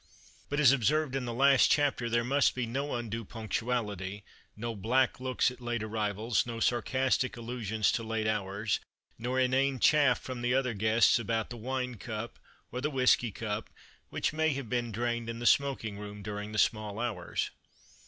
But, as observed in the last chapter, there must be no undue punctuality, no black looks at late arrivals, no sarcastic allusions to late hours, nor inane chaff from the other guests about the wine cup or the whisky cup, which may have been drained in the smoking room, during the small hours.